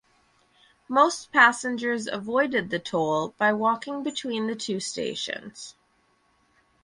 Most passengers avoided the toll by walking the between the two stations.